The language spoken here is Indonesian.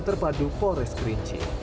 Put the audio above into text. terpadu polres kerinci